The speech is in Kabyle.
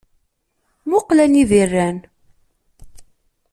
Muqel anida i rran.